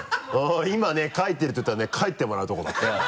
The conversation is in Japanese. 今ね「かいてる」って言ったらね帰ってもらうとこだったよ。